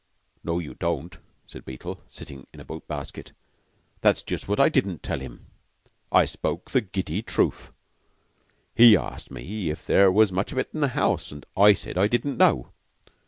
"No, you don't," said Beetle, sitting on a boot basket. "That's just what I didn't tell him. I spoke the giddy truth. He asked me if there was much of it in the house; and I said I didn't know."